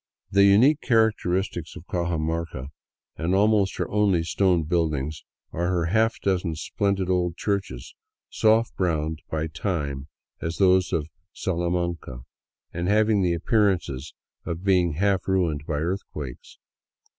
The unique characteristic of Cajamarca, and almost her only stone buildings, are her half dozen splendid old churches, soft browned by time as those of Salamanca, and having the appearance of being half ruined by earthquakes.